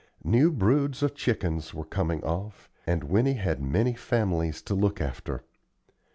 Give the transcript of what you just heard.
New broods of chickens were coming off, and Winnie had many families to look after.